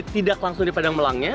tidak langsung di padang melangnya